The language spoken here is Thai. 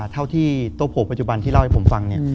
เท่าที่โต๊ะโผล่ปัจจุบันที่เล่าให้ผมฟังเนี่ย